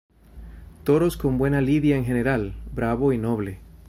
Toros con buena lidia en general, bravo y noble.